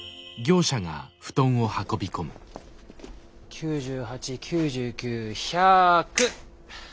９８９９１００。